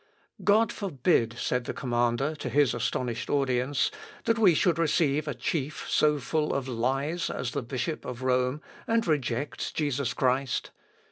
"God forbid," said the commander to his astonished audience, "that we should receive a chief so full of lies as the Bishop of Rome, and reject Jesus Christ.